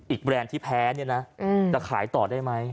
อีกแบรนด์ที่แพ้จะขายต่อได้ไหม